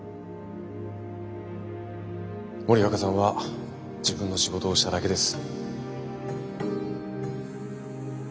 森若さんは自分の仕事をしただけです。